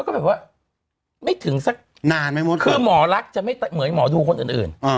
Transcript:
ก็แบบว่าไม่ถึงสักนานไหมมดคือหมอลักษณ์จะไม่เหมือนหมอดูคนอื่น